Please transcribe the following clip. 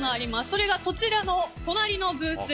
それが、こちらの隣のブース。